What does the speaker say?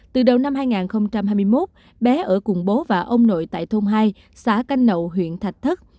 từ đầu năm hai nghìn hai mươi một bé ở cùng bố và ông nội tại thôn hai xã canh nậu huyện thạch thất